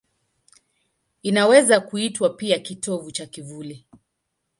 Inaweza kuitwa pia kitovu cha kivuli.